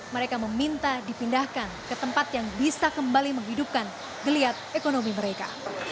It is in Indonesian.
mereka meminta dipindahkan ke tempat yang bisa kembali menghidupkan geliat ekonomi mereka